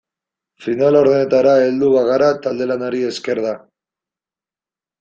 Final laurdenetara heldu bagara talde-lanari esker da.